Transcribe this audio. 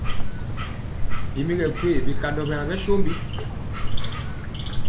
Bi mi kɛ gwee bikandɔ byen ɓɛ sombi?